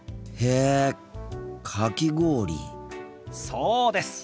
そうです。